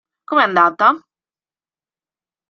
Come è andata?